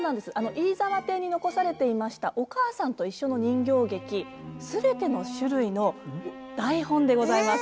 飯沢邸に残されていました「おかあさんといっしょ」の人形劇全ての種類の台本でございます。